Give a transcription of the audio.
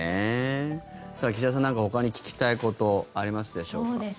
岸田さんなんか、ほかに聞きたいことありますでしょうか。